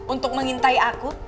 untuk mengintai aku